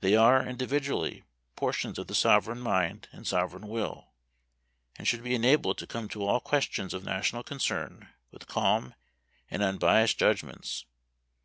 They are, individually, portions of the sovereign mind and sovereign will, and should be enabled to come to all questions of national concern with calm and unbiassed judgments.